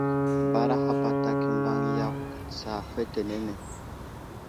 Baraha patak i mbaŋ yakw tsa fetenene.